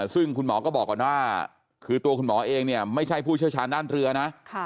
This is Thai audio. ซึ่งคุณหมอก็บอกก่อนว่าคือตัวคุณหมอเองเนี่ยไม่ใช่ผู้เชี่ยวชาญด้านเรือนะ